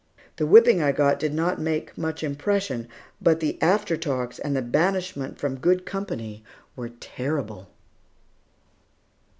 The whipping I got did not make much impression, but the after talks and the banishment from "good company" were terrible.